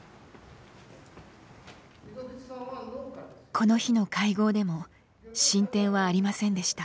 この日の会合でも進展はありませんでした。